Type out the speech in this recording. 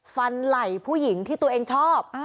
ฟันไหล่ผู้หญิงที่ตัวเองชอบ